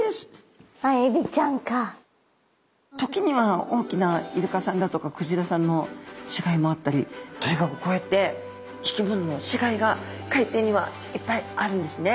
時には大きなイルカさんだとかクジラさんの死骸もあったりとにかくこうやって生き物の死骸が海底にはいっぱいあるんですね。